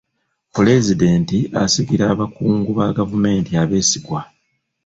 Pulezidenti asigira abakungu ba gavumenti abeesigwa.